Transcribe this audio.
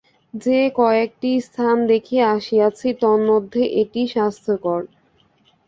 যে কয়েকটি স্থান দেখিয়া আসিয়াছি, তন্মধ্যে এইটি স্বাস্থ্যকর।